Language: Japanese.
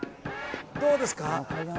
どうですか？